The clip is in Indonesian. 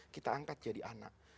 kita angkat jadi anak